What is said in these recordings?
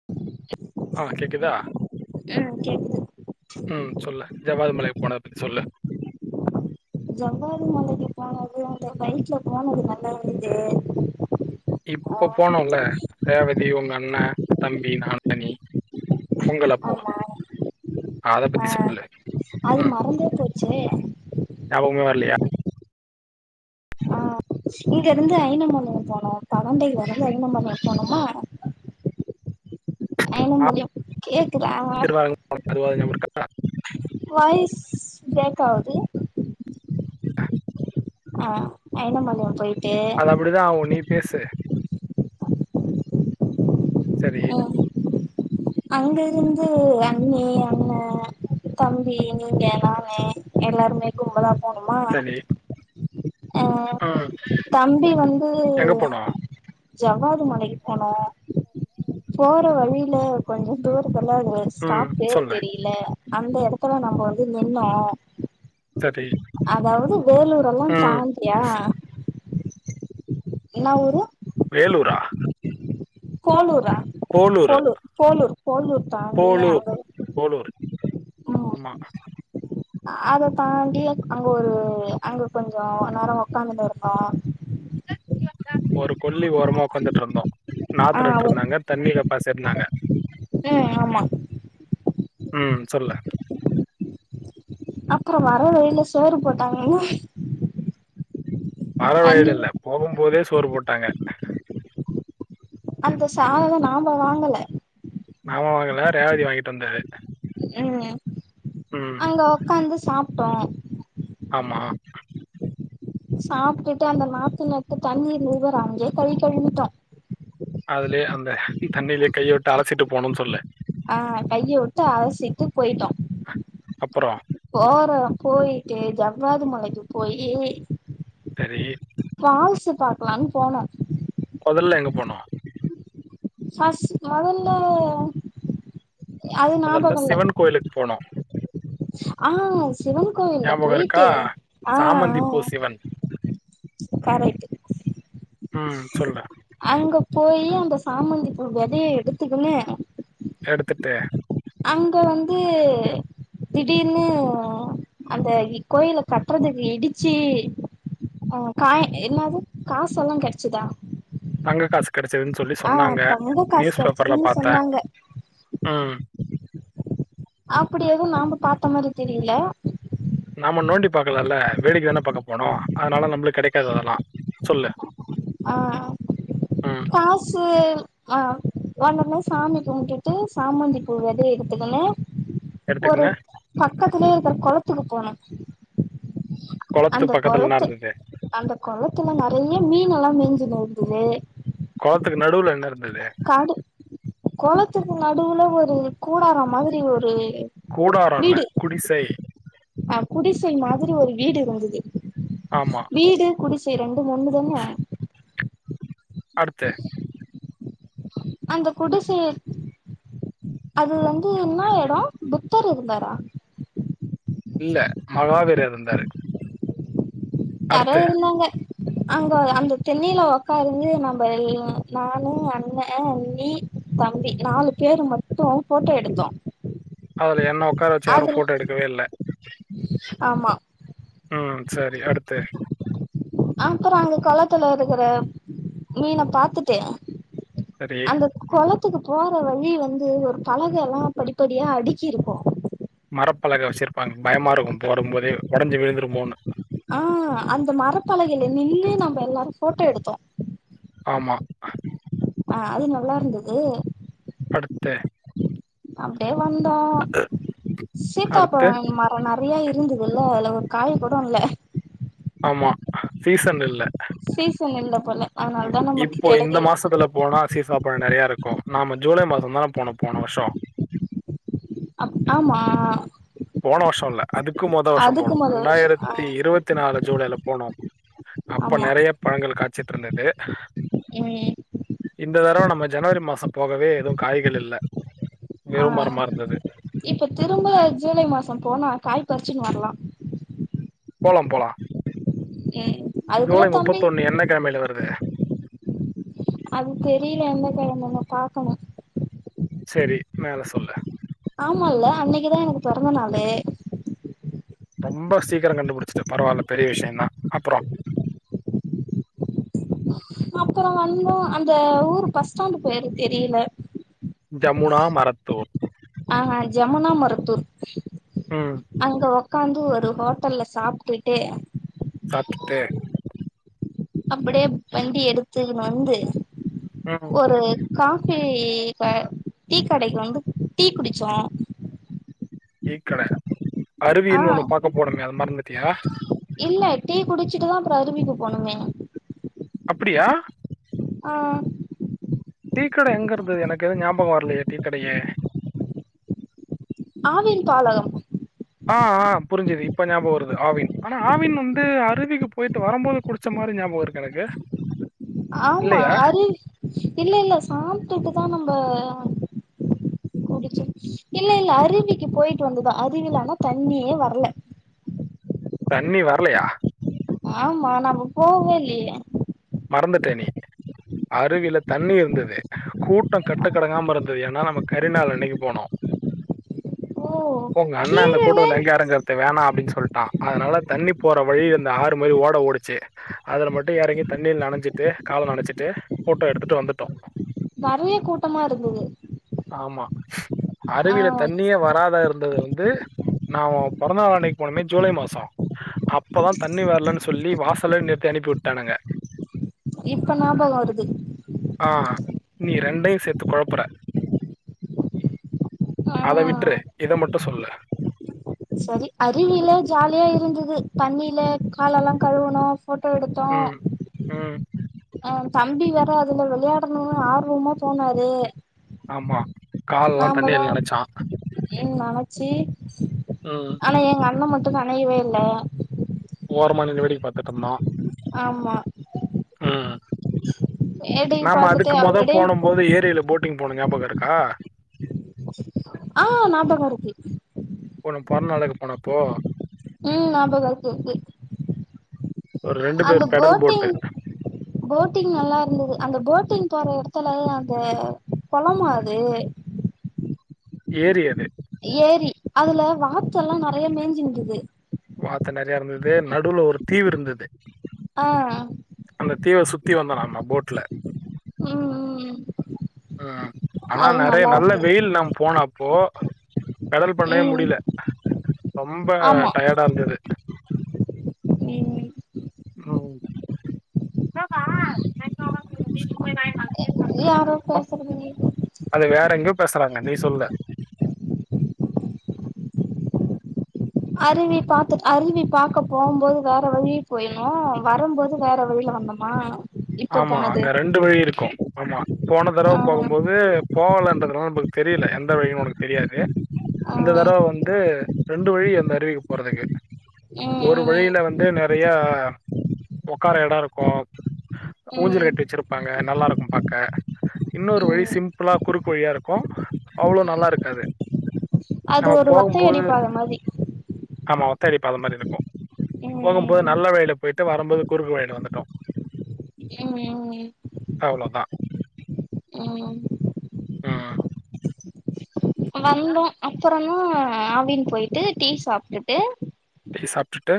[inaudible] ஆ கேட்குதா ம் கேக்குது ம் சொல்லு ஜவ்வாது மலைக்கு போனதப்பத்தி சொல்லு ஜவ்வாது மலைக்கு போனது அந்த பைக்ல போனது நல்லாயிருந்து இப்போ போனோல்ல ரேவதி உங்க அண்ணன் தம்பி நானு நீ பொங்கலப்போ ஆமா அதப்பத்தி சொ அது மறந்தே போச்சே ஞாபகமே வரலயா இங்க இருந்து ஐனம்மலைக்கு போனோம் பழண்டை வந்து ஐனம்மலைக்கு போனோமா நான் ஐனம்மலையம் கேக்குதா திருவாரங்க போனோம் அதுவாது ஞாபகம் இருக்கா வாய்ஸ் பிரேக் ஆவுது ஆ ஐனமலையம் போயிட்டு அப்படிதா ஆவு நீ பேசு செரி அங்க இருந்து அண்ணி அண்ணே தம்பி நீங்க நானு எல்லாருமே கும்பலாப் சரி அ ம் தம்பி வந்து எங்க போனோம் ஜவ்வாது மலைக்கு போனோ போற வழியில கொஞ்ச தூரத்துல்ல அது ஒரு ம் ஸ்டாப் பேரு சொல்லு தெரியல அந்த எடத்துல நம்ம வந்து நின்னே சரி அதாவது வேலூர் எல்லா ம் தாண்டியா என்ன ஊரு வேலூரா கோலூரா போலூர் கோலூர் கோலூர் கோலூர் தாண்டி அங்க கோலூர் ம் ஆமா அத தாண்டி அங்க ஒரு அங்க கொஞ்சோ நேரோ உக்காந்துட்டு இருந்தோ [inaudible] ஒரு கொல்லி ஓரமா உக்காந்துட்டு இருந்தோ ஆ நாத்து நட்டு இருந்தாங்க தண்ணிப்பாச்சி இருந்தாங்க ம் ஆமா ம் சொல்லு அப்புற வர வழில சோறு போட்டாங்கல்ல வர வழில அண்ணி இல்ல போகும் போதே சோறு போட்டாங்க அந்த சாதம் நாம வாங்கல நாம வாங்கல ரேவதி வாங்கிட்டு வந்தது உம் ம். அங்க உக்காந்து சாப்பிட்டோ ஆமா சாப்பிட்டுட்டு அந்த மாப்ப நட்டு தண்ணீர் நவுறாங்கே கை கழுந்துட்டோ அதுலயே அந்த தண்ணிலயே கையை விட்டு அலச்சிட்டு போணுனு சொல்லு ஆ கைய விட்டு அலசிட்டு போயிட்டோ அப்புறம், போற போயிட்டு ஜவ்வாது மலைக்கு போய் சரி பால்ஸு பாக்கலானு போனோ மொதல்ல எங்க போனோ ஆ மொதல்ல அது மொதல்ல ஞாபகோ இல்ல சிவன் கோயிலுக்கு போனோ ஆ சிவன் கோவில்ல ஞாபகம் இருக்கா? போயிட்டு ஆ சாமந்தி ஆ பூ சிவன். காரேட்டு ம் சொல்லுரே அங்க போயி அந்த சாமந்திப்பு வெதைய எடுத்துக்கனு எடுத்துட்டே அங்க வந்து திடீர்னு அந்த கோயில்ல கட்டுறதுக்கு இடிச்சு ஆ காய என்னது காச எல்லா கெடைச்சதா தங்க காசு கெடச்சிதுன்னு சொல்லி சொன்னாங்க தங்க காசு நியூஸ் பேப்பரில் கெடச்சதுன்னு பாத்தே சொன்னாங்க அப்படி எதுவு நாம பாத்த மாரி தெரியல நாம நோண்டி பாக்கலல்ல வேடிக்கை தான பாக்க போனோ அதனால நம்மளுக்கு கெடைக்காத அதெல்லா சொல்லு ஆ ம். காசு ஆ வந்தொண்ணே சாமி கும்பிட்டுட்டு சாமந்தி பூ வெதைய எடுத்துக்கணு ஒரு எடுத்துக்கின்னு பக்கத்துலயே இருக்க கொளத்துக்கு போனோ குளத்து அந்த பக்கத்துல என்ன கொலத்து இருந்தது? அந்த கொளத்துல நறைய மீன் எல்லா மேஞ்சுனு இருந்தது கொலத்துக்கு நடுவுல என்ன இருந்தது காடு குளத்துக்கு நடுவுல ஒரு கூடார மாதிரி ஒரு கூடாரோ இல்ல வீடு குடிசை அ குடிசை மாதிரி ஒரு வீடு இருந்தது ஆமா வீடு குடிசை ரெண்டு ஒன்னு தானே அடுத்து அந்த குடிசை அது வந்து என்னா எடோ புத்தர் இருந்தாரா இல்ல மகாவீர்ர் இருந்தாரு யாரோ அடுத்து இருந்தாங்க அங்க அந்த திண்ணெயில உக்காந்து நம்ப நானு அண்ண ண்ணி தம்பி நாலு பேர் மட்டு போட்டோ எடுத்தோ அதுல என்ன உக்கார வச்சு யாரு அதுல போட்டோ எடுக்கவே இல்ல ஆமா ம் சரி அடுத்து அப்புறோ அங்க கொளத்துல இருக்கற மீன பாத்துட்டு சரி அந்த கொளத்துக்கு போற வழி வந்து ஒரு பலகையெல்லா படிப்படியா அடுக்கிருக்கு மரப்பலக வச்சுருப்பாங்க பயமா இருக்கு போடும் போதே ஒடஞ்சு விழுந்துருமோன்னு ஆ அந்த மரப்பலகைல நின்னு நம்ப எல்லாரு போட்டோ எடுத்தோ ஆமா ஆ அது நல்லா இருந்தது அடுத்தெ அப்டியே வந்தோ அடுத்து சீத்தாபழொ இங் மர அப்ப நெறையா இருந்துதுல்ல அதுல ஒரு காய் கொட இல்ல ஆமா சீசன் இல்ல சீசன் இல்ல பொல இப்போ இந்த மாசத்துல போனா சீசாப்பழொ நெறைய இருக்கு நாம ஜூலை மாசந் தான போனோ போன வர்ஷோ அப் ஆமா போன வர்ஷோ இல்ல அதுக்கு மொத வர்ஷோ அதுக்கு போனோ மொத வருஷ் ஆ ரெண்டாயிரத்தி இருவத் த்து நாலு ஜூலைல போனோ அப்ப ஆமா நெறைய பழங்கள் காச்சிட் இருந்தது இந்த தரவ நம்ம ஜனவரி மாசொ போகவே எதுவு காய்கள் இல்ல அ வெறும் மரமா இருந்தது. இப்ப திரும்ப ஜூலை மாசொ போனா காய் பறிச்சுன்னு வரலா போலா போலா ம் ஜூலை முப்பத்தொன்னு என்ன கெழமைல வருது அது தெரிய்ல எந்த கெழமனு பாக்கணு செரி மேல சொல்லு ஆமால்ல அன்னக்கிதா எனக்கு பொறந்த நாளு ரொம்ப சீக்கரொ கண்டுபுடுச்சுட்ட பரவால்ல பெரிய விஷ்யந் தா அப்பறொ அப்பறொ வந்தோ அந்த ஊர் பஸ் ஸ்டாண்டு பேரு தெரியல ஜமுனா மரத்தூர் அ ஜமுனா மரத்தூர் ம். அங்க ஒக்காந்து ஒரு ஹோட்டல்ல சாப்ட்டுட்டு சாப்ட்டுட்டு அப்புடியே வண்டி எடுத்துக்ன்னு வந்து ம். ஒரு காஃபி க டீ கடைக்கி வந்து டீ குடுச்சோ டீ கட ஆ அருவினு ஒன்னு பாக்க போனொமே அது மறந்துட்டியா இல்ல டீ குடுச்சிட்டுதா அப்பறொ அருவிக்கு போனொமே அப்புடியா ஆ டீக்கட எங்க இருந்தது எனக்கு எதுவு ஞாபகொ வரலையே டீக்கடையே ஆவின் பாலகம் ஆ ஆ புரிஞ்சது இப்ப ஞாபகொ வருது ஆவின் ஆனா ஆவின் வந்து அருவிக்கு பொய்ட்டு வரம்போது குடுச் ச்ச மாரி ஞாபகொ இருக்கு எனக்கு ஆமா இல்லையா? அறி இல்ல இல்ல சாப்ட்டுட்டுதா நம்ப குடுச்சு இல்ல இல்ல அருவிக்கி போயிட்டு வந்துதா அருவில ஆனா தண்ணியே வரல தண்ணி வரலையா ஆமா நம்ப போகவே இல்லயே மறந்துட்ட நீ அருவில தண்ணி இருந்தது கூட்டொ கட்டக்கடங்காம இருந்தது ஏன்னா நம்ம கரிநாள் அன்னக்கி போனோ ஓ ஒங்க அண்ணே அந்த கீழவே கூட்டத்துல எங்கே [unintelligible] இத வேணா அப்டின்னு சொல்ட்டா அதனால தண்ணி போற வழி இந்த ஆறு மாரி ஓட ஓடுச்சு அதுல மட்டு எறங்கி தண்ணில நெனஞ்சிட்டு கால நனச்சிட்டு ஃபோட்டோ எடுத்துட்டு வந்துட்டோ நெறைய கூட்டமா இருக்குது ஆமா அருவில தண்ணியே வராதா இருந்தது வந் து நா ஒ பொறந்தாள் அன்னைக்கு போனோமே ஜூலை மாசோ அப்பதா தண்ணி வரலன்னு சொல்லி வாசல்லையே நிறுத்தி அனுப்பி விட்டானுங்க இப்ப ஞாபக வருது ஆ நீ ரெண்டையு சேத்து கொழப்புற ஆ அத விட்ரு இத மட்டு சொல்லு சரி அருவியில ஜாலியா இருந்தது தண்ணில காலல்லா கழுவுணோ ஃபோட்டோ எடுத்தோ ம் ம் அ தம்பி வேற அதுல வெளையாடணுனு ஆர்வமா போனாரு ஆமா கால்லா நாமதா தண்ணில நெனைச்சா ம் நெனச்சு ம். ஆனா எங்க அண்ண மட்டு நெனையவே இல்ல ஒரமா நின்னு வேடிக்க பாத்துட்டுருந்தா ஆமா ம் வேடிக்க நாம பாத்துட்டு அதுக்கு மொத அப்டியே போனம் போது ஏரியில போட் ட்டிங் போன ஞாபகம் இருக்கா ஆ நாபக இருக்கு ஒன்னு பொறந்த நாளைக்கு போனப்போ ம் நாபக இருக்கு க்கு ஒரு அந்த பேர் பெடல் போட்டு. போட்டிங் போட்டிங் நல்லா இருந்தது அந்த போட்டிங் போற எடத்துல அந்த குளமா அது ஏரி அது ஏரி அதுல வாத்தெல்லா நெறைய மேஞ்சுருந்துது வாத்து நெறைய இருந்துது நடுவுல ஒரு தீவு இருந்துது ஆ அந்த தீவ சுத்தி வந்தனானா போட்ல ம் ம் ஆ ஆனா அது நெறைய நல்லா நல்ல இருந்தது வெயில் நம் போனப்போ பெடல் பண்ணவே ம் முடில ரொம்ப ஆமா டயடா இருந்துது ம் ம் என்னபா நெட்ல ஒக்காந்து தீனி போய் வாங்கிட்டு வாங்க யாரோ பேசுறது கேக்குது அது வேற எங்கேயோ பேசுறாங்க நீ சொல்லு அருவி பாத்து அருவி பாக்க போகம் போது வேற வழி போய்ணு வரும்போது வேற வழியில வந்தோ மா ஆமா அங்க ரெண்டு வழி இருக்கு ஆமா போன தடவ ஆ போகும் போது போகலன்றதுல்லா நமக்கு தெரில எந்த வழினு உனக்கு தெரியாது ஆ இந்த தரவ வந்து ரெண்டு வழி அந்த அருவிக்கு போறதுக்கு ஒரு ம் வழியில வந்து நெறைய ஒக்கார எட இருக்கு ம் ஊஞ்சலு ம் கட்டி வச்சிருப்பாங்க நல்லா இருக்கு பாக்க இன்னொரு வழி ம் சிம்பிளா குறுக்கு வழியா இருக்கு அவ்ளோ நல்லா இருக்காது அது நம்ம ஒரு ஒத்தையடி போகும்போது பாத மாதி ஆமா ஒத்தையடி பாத மாறி இருக்கு போகும்போது ம் நல்ல வழியில போய்டு வரும்போது குறுக்கு வழியில வந்துட்டோ ம் ம் அவ்ளோதா அ வந்தோ அப்பறமா ஆவின் போய்ட்டு டீ சாப்டுட்டு டீ சாப்டுட்டு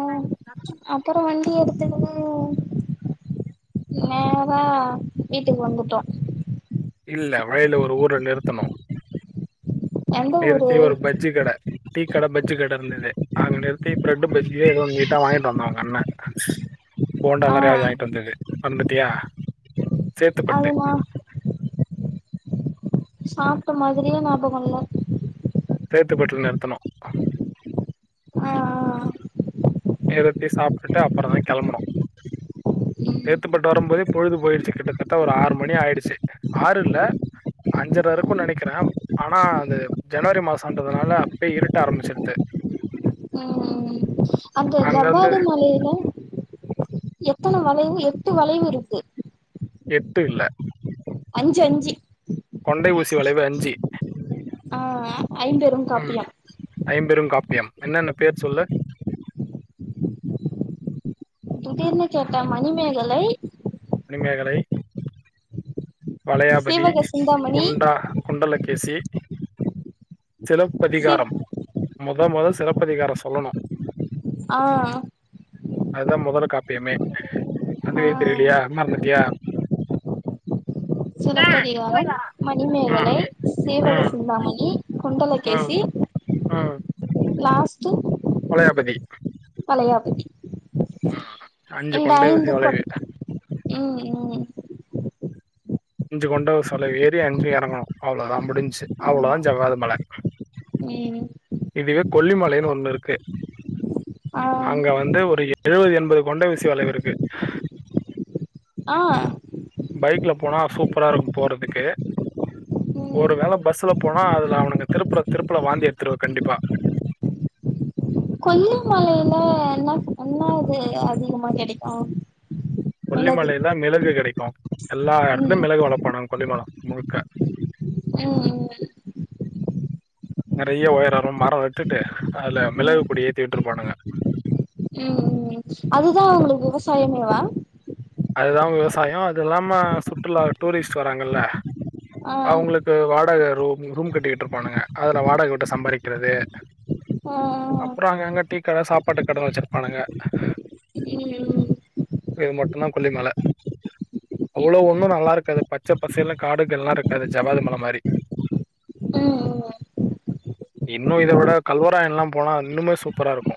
[unintelligible] அப்பற வந்து டீ எடுத்துக்குன்னு நேறா வீட்டுக்கு வந்துட்டோ இல்ல வழியில ஒரு ஊர நிறுத்தணு எந்த ஊரு நிறுத்தி ஒரு பஜ்ஜி கட டீ கட பஜ்ஜி கட இருந்தது அங்க நிறுத்தி பிரெட் பஜ்ஜியே எதோ ஒன்னு நீட்டா வாங்கிட்டு வந்தா உங்க அண்ண ஆ போண்டாலா நெறைய வாங்கிட்டு வந்தது மாறந்துட்டியா சேத்துப்பட் அது நா சாப்ட மாதிரியே ஞாபகல்ல சேத்துபட்ல நிறுத்துனோ ஆ ஆ நிறுத்தி சாப்ட்டுட்டு அப்பரோதா கிளம்புனோ ம் சேத்துப்பட்டு வரு போதே பொழுது போயிடுச்சு கிட்டத்த ஒரு ஆறு மணி ஆயிடுச்சு ஆறுயில்ல அஞ்சர இருக்கும் நெனக்கற ஆனா அது ஜனவரி மாசோன்றதுனால அப்யே இருட்ட ஆரம்பிச்சிருது ம் ம் ம் அந்த அங்க இருந்து ஜவ்வாது மலையில்ல எத்தன வளைவு எட்டு வளைவு இருக்கு எட்டு இல்ல அஞ்சு அஞ்சு கொண்டை ஊசி வளைவு அஞ்சு ஐம்பெருங் ம் காப்பியம் ஐம்பெரும் காப்பியம் என்னன்ன பேர் சொல்லு தீடீர்னு கேட்டா மணிமேகலை மணிமேகலை வளயாபதி சீவக சிந்தாமணி குண்டா குண்டலக்கேசி சிவ் சிலப்பதிகாரம் மொத மொத சிலப்பதிகாரம் சொல்லணு ஆ அதுதா முதற் காப்பியமே அதுவே ஆ தெரிலயா மறந்துட்டியா சிலப்பதிகாரம் மணிமேகலை ம் சிவக ம் சிந்தாமணி ம் குண்டலக்கேசி லாஸ்ட்டு வளயாபதி வளயாபதி ம்ம் இந்த ஐந்து கொ ம் ம் இஞ்சு கொண்ட சொல்ல ஏறி அஞ்சு இறங்கும் அவ்ளோதா முடிஞ்சு அவ்ளோதா ஆமா ஜவ்வாது மல ம் இதுவே கொல்லிமலைன்னு ஒண்ணு இருக்கு ஆ அங்க வந்து ஒரு எழுவது எண்பது கொண்ட வீசி வளைவு இருக்கு ஆ பைக்ல போனா சூப்பரா இருக்கும் போறதுக்கு ம் ஒரு வேல பஸ்ல போனா அதுல அவனுங்க திருப்பரல திருப்பல வாந்தி எடுத்துருவ கண்டிப்பா மலையில என்ன என்ன இது அதிகமா கிடக்கு கொல்லிமலையில்ல மிளகு கிடைக்கும் எல்லா ம் இடத்துலயும் மிளகு வளர்பானாங்க கொல்லிமல முழுக்க உம் என்ன நெறய உயரோ மரம் வெத்துட்டு அதுல மிளகு ம் குடி ஏத்தீ விட்டுருப்பானுங்க அதுதான் உங்களுக்கு விவசாயமேவா அதுதா விவசாயோ அது இல்லாம சுற்றுலா டூரிஸ்ட் வராங்கள்ல ஆ அவுங்களுக் இது வாடக ரூம் ரூம் கட்டிக்கிட்டு இருப்பானுங்க அதுல வாடகவிட்டு சம்பாதிக்கிறது உம் அப்புறோ அங்க அங்க டீ கட சாப்பாட்டு கட வச்சிருப்பானுங்க ம் இது மட்டும்தான் கொல்லிமல அவளோ ஒன்னும் நல்லா இருக்காது பச்ச பசேல்ன்னு காடுகல்லாம் இருக்காது ஜவ்வாது மல மாரி உம் ம் இன்னும் இத விட கல்வராயல்லாம் போனா இன்னுமே சூப்பரா இருக்கு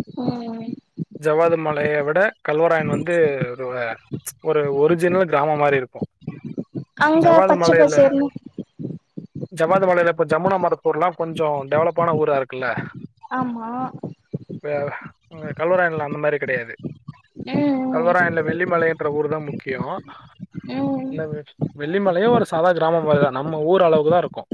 உம் ஜவாது மலைய விட கல்வராயன் வந் வந்து ஒரு வ ஒரு ஒரிஜினல் கிராம மாரி இருக்கும் அங்க ஜவ்வாது பச்ச மலையில்ல பசேல்னு ஜவாது மலையில இப்ப ஜமுனா மரத்துர் எல்லாம் கொஞ்சம் டெவலப்பான ஊரா இருக்குல்ல ஆமா அது அங்க கல்லவுராயின்ல அந்த மாதிரி கிடையாது ம் கல்வராயன்ல வெள்ளிமலைன்ற ஊர் தான் முக்கியம் ம் ம் இல்ல வெ வெள்ளி மலையும் ஒரு சாதா கிராம மாதி தான் நம்ம ஊர் அளவுக்கு தான் இருக்கும்